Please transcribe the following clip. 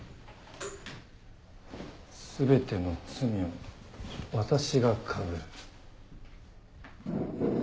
全ての罪を私がかぶる。